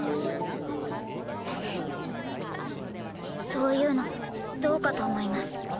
そういうのどうかと思います。